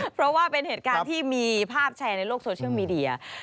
เพราะว่าเป็นเหตุการณ์ที่มีภาพแชร์ในโลกโซเชียลมีเดีย